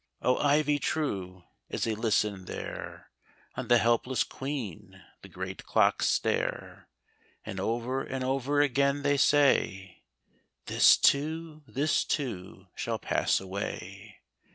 O, Ivy true, as they listen there. On the helpless Queen the great clocks stare And over and over again they say, " This too — this too — shall pass away."